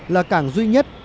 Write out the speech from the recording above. là cảng duy nhất